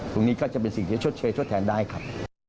ก็จะเป็นสิ่งที่ชดเชยทดแทนได้ครับ